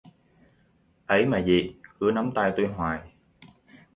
Ấy mà dị, cứ nắm tay tui hoài